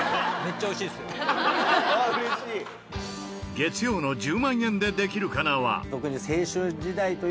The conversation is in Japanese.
月曜の『１０万円でできるかな』は。